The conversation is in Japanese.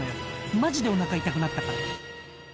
［マジでおなか痛くなったから］